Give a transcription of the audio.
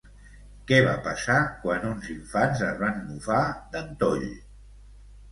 Què va passar quan uns infants es van mofar d'en Tõll?